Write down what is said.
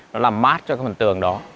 nó làm mát cho phần tường đó